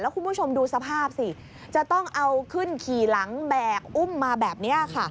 คุณผู้ชมดูสภาพสิจะต้องเอาขึ้นขี่หลังแบกอุ้มมาแบบนี้ค่ะ